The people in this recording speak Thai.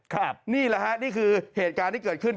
นี่แหละฮะนี่คือเหตุการณ์ที่เกิดขึ้น